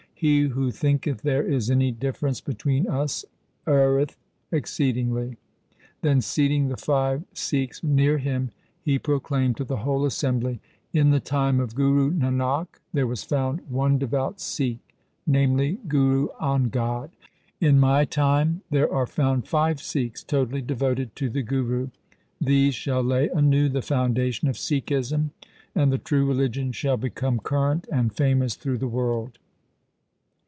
He who thinketh there is any difference between us erreth exceedingly.' Then seating the five Sikhs near him, he proclaimed to the whole assembly, ' In the time of Guru Nanak, there was found one devout Sikh, namely, Guru Angad. In my time there are found five Sikhs totally devoted to the Guru. These shall lay anew the foundation of Sikhism, and the true religion shall become current and famous through the world.'